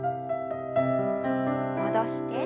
戻して。